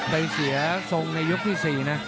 ไปเสียทรงในยกที่๔นะ